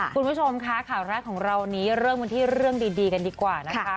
คุณผู้ชมค่ะข่าวแรกของเรานี้เริ่มกันที่เรื่องดีกันดีกว่านะคะ